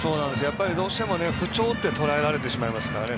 どうしても不調と捉えられてしまいますからね。